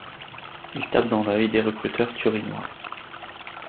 Il tape dans l'œil des recruteurs turinois.